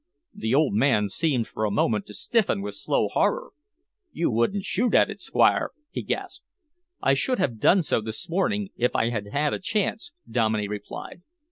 The old man seemed for a moment to stiffen with slow horror. "You wouldn't shoot at it, Squire?" he gasped. "I should have done so this morning if I had had a chance," Dominey replied.